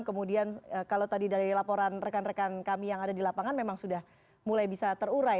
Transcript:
kemudian kalau tadi dari laporan rekan rekan kami yang ada di lapangan memang sudah mulai bisa terurai